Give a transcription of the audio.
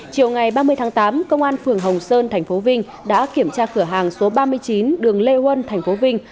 chiều ngày ba mươi tháng tám công an phường hồng sơn thành phố vinh đã kiểm tra cửa hàng số ba mươi chín đường lê huân tp vinh